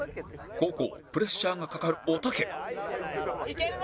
後攻プレッシャーがかかるおたけいけるぞ！